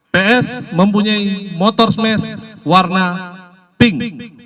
ps mempunyai motor smash warna pink